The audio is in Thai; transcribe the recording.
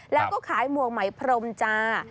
แล้วก็ขายหมวกไหมพรมจ้า